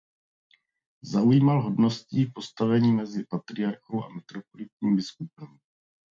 Zaujímal hodností postavení mezi patriarchou a metropolitním biskupem.